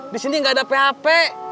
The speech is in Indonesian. disini gak ada php